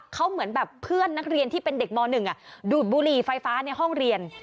เขาเหมือนแบบเพื่อนนักเรียนที่เป็นเด็กม๑ดูดบุหรี่ไฟฟ้าในห้องเรียน